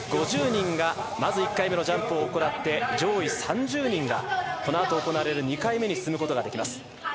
５０人がまず１回目のジャンプを行って、上位３０人がこのあと行われる２回目に進むことができます。